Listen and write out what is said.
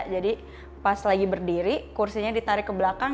jadi pas lagi berdiri kursinya ditarik ke belakang